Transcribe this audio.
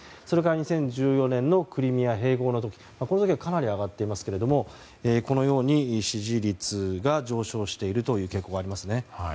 それから２０１４年のクリミア併合の時この時はかなり上がっていますがこのように支持率が上昇しているという傾向がありますね。